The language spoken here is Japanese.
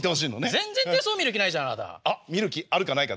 全然手相見る気ないじゃんあなた。